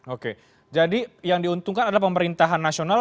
oke jadi yang diuntungkan adalah pemerintahan nasional